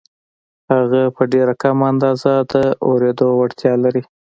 هغه په ډېره کمه اندازه د اورېدو وړتیا لري